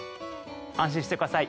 安心してください。